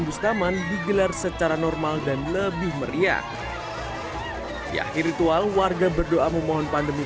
bustaman digelar secara normal dan lebih meriah di akhir ritual warga berdoa memohon pandemi